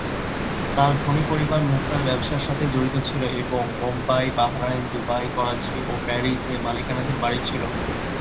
তার ধনী পরিবার মুক্তার ব্যবসার সাথে জড়িত ছিল এবং "বোম্বাই, বাহরাইন, দুবাই, করাচি ও প্যারিস"-এ মালিকানাধীন বাড়ি ছিল।